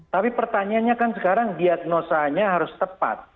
tapi pertanyaannya kan sekarang diagnosanya harus tepat